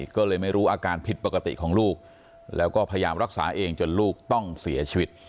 ก็เลยไม่รู้อาการผิดปกติของลูกแล้วก็พยายามรักษาเองจนลูกต้องเสียชีวิต